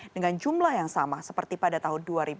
dengan jumlah yang sama seperti pada tahun dua ribu dua